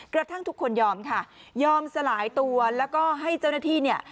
กระทั่งทุกคนยอมค่ะยอมสลายตัวแล้วก็ให้เจ้าหน้าที่เนี่ย